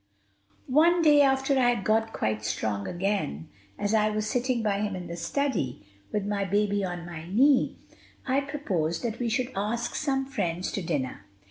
One day, after I had got quite strong again, as I was sitting by him in the study, with my baby on my knee, I proposed that we should ask some friends to dinner.